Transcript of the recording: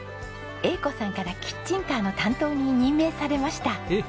英子さんからキッチンカーの担当に任命されました。